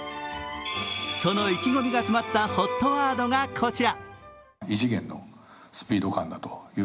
その意気込みが詰まったＨＯＴワードがこちら。